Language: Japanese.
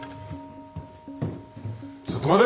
ちょっと待て！